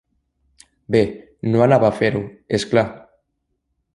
Bé, no anava a fer-ho, és clar.